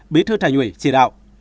bí thư thành ủy chỉ đạo